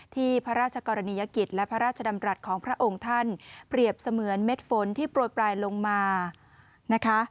พระราชกรณียกิจและพระราชดำรัฐของพระองค์ท่านเปรียบเสมือนเม็ดฝนที่โปรยปลายลงมานะคะ